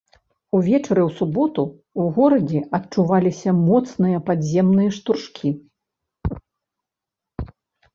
Увечары ў суботу ў горадзе адчуваліся моцныя падземныя штуршкі.